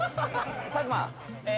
佐久間え